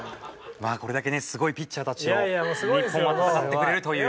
まあこれだけねすごいピッチャーたちと日本は戦ってくれるという。